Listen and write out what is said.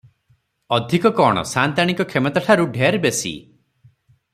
ଅଧିକ କଣ ସାଆନ୍ତାଣୀଙ୍କ କ୍ଷମତାଠାରୁ ଢେର ବେଶୀ ।